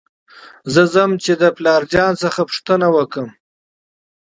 زه ځم چې پلار جان څخه پوښتنه وکړم .